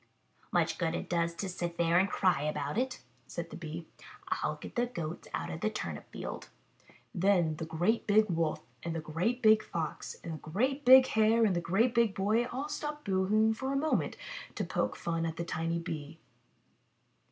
^^^ ''Much good it does ^^5^^ to sit there and cry about it," said the Bee. ^^^ ^^^^"77/ get the Goats out of the turnip field." ^^^ Then the great big Wolf, and the great big Fox, and the great big Hare, and the great big Boy all stopped boo hooing a moment to poke fun at the tiny Bee.